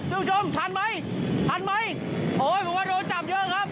คุณผู้ชมทันไหมทันไหมโอ้ยผมว่าโดนจับเยอะครับ